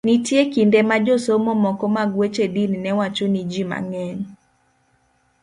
Nitie kinde ma josomo moko mag weche din ne wacho ni ji mang'eny